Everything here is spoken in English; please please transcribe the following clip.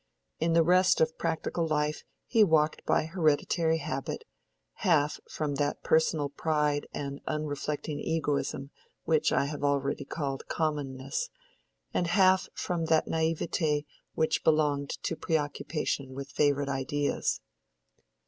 In the rest of practical life he walked by hereditary habit; half from that personal pride and unreflecting egoism which I have already called commonness, and half from that naivete which belonged to preoccupation with favorite ideas.